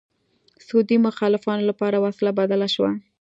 سعودي مخالفانو لپاره وسله بدله شوه